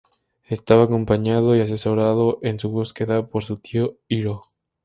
Estaba acompañado y asesorado en su búsqueda por su tío Iroh.